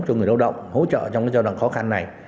cho người lao động hỗ trợ trong giai đoạn khó khăn này